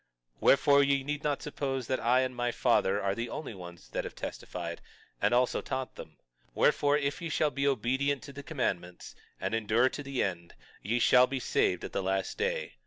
22:31 Wherefore, ye need not suppose that I and my father are the only ones that have testified, and also taught them. Wherefore, if ye shall be obedient to the commandments, and endure to the end, ye shall be saved at the last day.